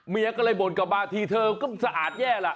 เมียก็เลยบ่นกลับมาทีเธอก็สะอาดแย่ล่ะ